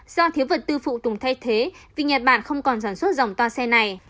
do thiếu vật tư phụ tùng thay thế vì nhật bản không còn sản xuất dòng toa xe này